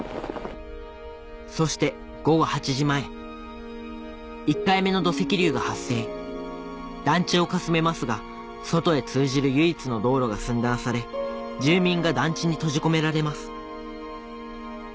そして午後８時前１回目の土石流が発生団地をかすめますが外へ通じる唯一の道路が寸断され住民が団地に閉じ込められます